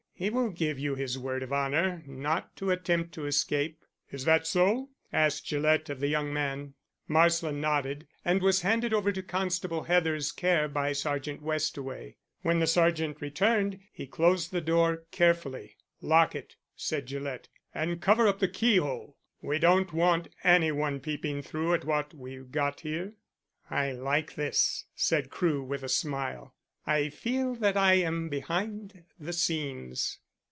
He will give you his word of honour not to attempt to escape." "Is that so?" asked Gillett of the young man. Marsland nodded, and was handed over to Constable Heather's care by Sergeant Westaway. When the sergeant returned he closed the door carefully. "Lock it," said Gillett. "And cover up the key hole; we don't want any one peeping through at what we've got here." "I like this," said Crewe with a smile. "I feel that I am behind the scenes."